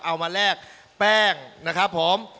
เอามาแลกแป้งนะครับผม